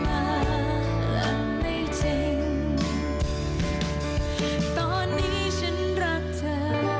หลังไม่จริงตอนนี้ฉันรักเธอ